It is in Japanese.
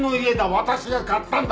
私が買ったんだ。